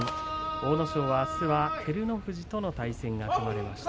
阿武咲はあすは照ノ富士との対戦が組まれました。